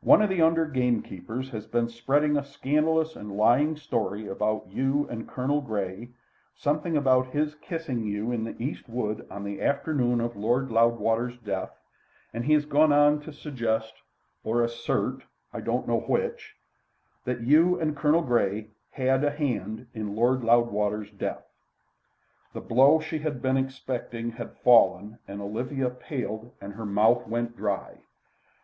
"One of the under gamekeepers has been spreading a scandalous and lying story about you and Colonel Grey, something about his kissing you in the East wood on the afternoon of Lord Loudwater's death, and he has gone on to suggest, or assert I don't know which that you and Colonel Grey had a hand in Lord Loudwater's death." The blow she had been expecting had fallen, and Olivia paled and her mouth went dry.